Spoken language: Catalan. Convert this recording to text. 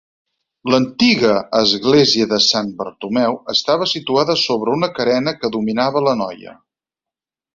L'antiga església de Sant Bartomeu estava situada sobre una carena que dominava l'anoia.